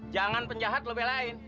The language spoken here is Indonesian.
jangan penjahat lo belain